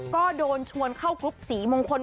ก็โดนชวนเข้ากรุ๊ปสีมงคล